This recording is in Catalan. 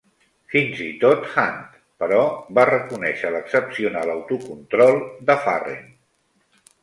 Fins i tot Hunt, però, va reconèixer l'excepcional autocontrol de Farren.